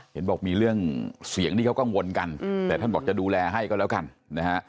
เห็นบอกมีเรื่องเสียงที่เขากังวลกันแต่ท่านบอกจะดูแลให้ก็แล้วกันนะฮะ